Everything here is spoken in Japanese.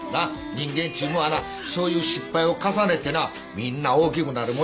人間っちゅうもんはなそういう失敗を重ねてなみんな大きくなるもんやねん。